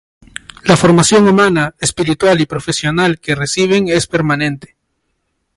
La formación humana, espiritual y profesional que reciben es permanente.